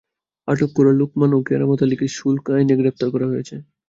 আটক করা লোকমান ও কেরামত আলীকে শুল্ক আইনে গ্রেপ্তার করা হয়েছে।